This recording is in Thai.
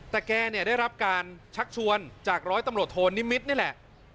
แต่แกเนี่ยได้รับการชักชวนจากร้อยตำรวจโทนิมิตรนี่แหละ